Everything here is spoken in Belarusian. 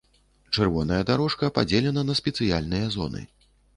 Чырвоная дарожка падзелена на спецыяльныя зоны.